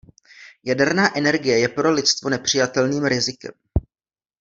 Jaderná energie je pro lidstvo nepřijatelným rizikem.